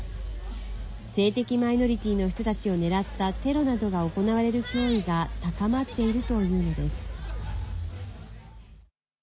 性的マイノリティーの人たちを狙ったテロなどが行われる脅威が高まっているというのです。